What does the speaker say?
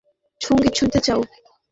কে কে ভাল কিছু সঙ্গীত শুনতে চাও?